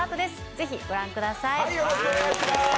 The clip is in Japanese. ぜひ、ご覧ください。